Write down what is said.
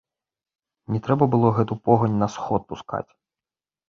Не трэба было гэту погань на сход пускаць.